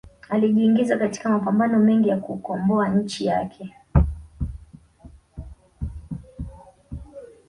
alijiingiza katika mapambano mengi ya kukomboa nchi yake